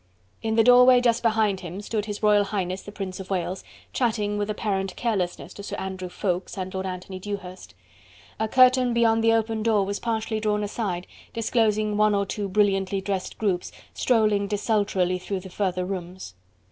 In the doorway just behind him stood His Royal Highness the Prince of Wales chatting with apparent carelessness to Sir Andrew Ffoulkes and Lord Anthony Dewhurst. A curtain beyond the open door was partially drawn aside, disclosing one or two brilliantly dressed groups, strolling desultorily through the further rooms.